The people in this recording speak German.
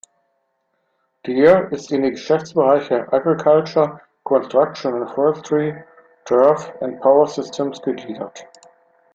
Deere ist in die Geschäftsbereiche "Agriculture", "Construction and Forestry", "Turf" und "Power Systems" gegliedert.